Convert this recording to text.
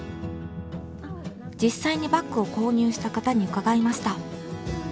実際にバッグを購入した方に伺いました。